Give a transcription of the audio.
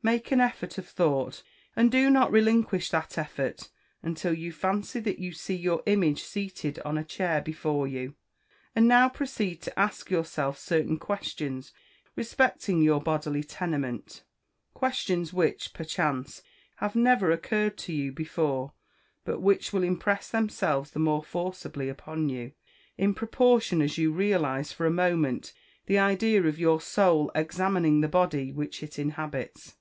Make an effort of thought, and do not relinquish that effort, until you fancy that you see your image seated on a chair before you. And now proceed to ask yourself certain questions respecting your bodily tenement questions which, perchance, have never occurred to you before; but which will impress themselves the more forcibly upon you, in proportion as you realise for a moment the idea of your Soul examining the body which it inhabits.